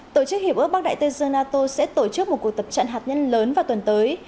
tổ chức hiệp ước bắc đại tây dương nato sẽ tổ chức một cuộc tập trận hạt nhân lớn vào tuần tới